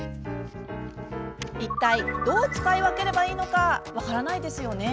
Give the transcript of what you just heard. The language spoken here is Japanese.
いったいどう使い分ければいいのか分からないですよね。